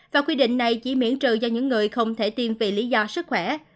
và quy định này chỉ miễn trừ cho những người không thể tiêm vì lý do sức khỏe